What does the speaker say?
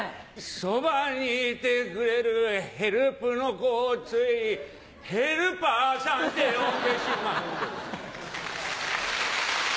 そばにいてくれるヘルプの子をついヘルパーさんって呼んでしまうんです。